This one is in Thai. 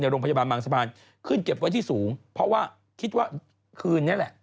โรงพยาบาลบางสะพานขึ้นเก็บไว้ที่สูงเพราะว่าคิดว่าคืนนี้แหละ